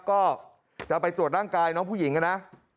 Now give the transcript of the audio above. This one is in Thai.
ก็จะไปตรวจร่างกายน้องผู้หญิงนะ